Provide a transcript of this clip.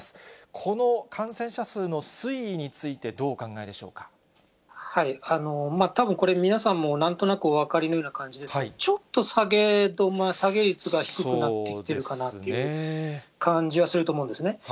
この感染者数の推移について、たぶんこれ、皆さんもなんとなくお分かりのような感じでしょうけど、ちょっと下げ率が低くなってきてるかなという感じはすると思うんですね。